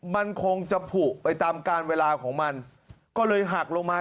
มันคงจะผูกไปตามการเวลาของมันก็เลยหักลงมา